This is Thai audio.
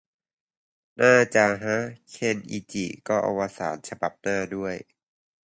น่าจะฮะ เคนอิจิก็อวสานฉบับหน้าด้วย